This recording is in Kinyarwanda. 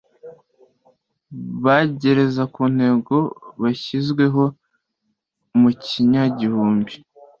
bagerez kuntego zashyizweho mukinyagihumbi